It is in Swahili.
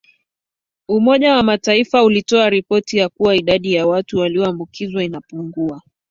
umoja wa mataifa ulitoa ripoti kuwa idadi ya watu wanaoambukizwa inapungua